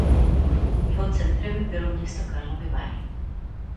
Jeho centrem bylo město Karlovy Vary.